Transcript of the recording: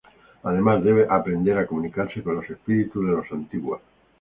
Además debe aprender a comunicarse con los Espíritus de Los Antiguos.